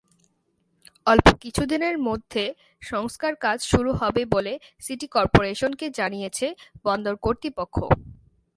অল্প কিছুদিনের মধ্যে সংস্কারকাজ শুরু হবে বলে সিটি করপোরেশনকে জানিয়েছে বন্দর কর্তৃপক্ষ।